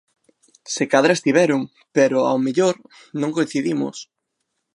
Se cadra estiveron pero, ao mellor, non coincidimos.